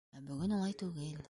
Ә бөгөн улай түгел.